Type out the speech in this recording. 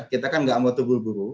kita kan nggak mau terburu buru